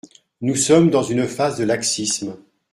Nous sommes dans une phase de laxisme.